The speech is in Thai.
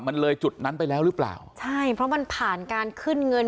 มันเลยจุดนั้นไปแล้วหรือเปล่าใช่เพราะมันผ่านการขึ้นเงิน